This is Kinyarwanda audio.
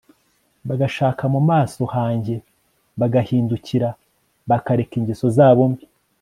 bagashaka mu maso hanjye bagahindukira bakareka ingeso zabo mbi